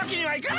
はい！